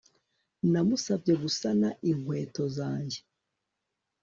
Namusabye gusana inkweto zanjye